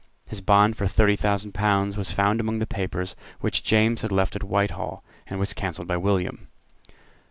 His bond for thirty thousand pounds was found among the papers which James had left at Whitehall, and was cancelled by William.